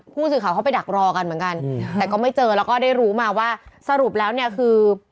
ผู้สื่อข่าวเขาไปดักรอกันเหมือนกันแต่ก็ไม่เจอแล้วก็ได้รู้มาว่าสรุปแล้วเนี่ยคือ